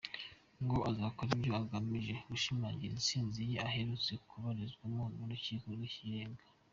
Ngo azakora ibyo agamije gushimangira itsinzi ye iherutse kuburizwamo n’urukiko rw’ikirenga.